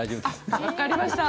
あ、わかりました。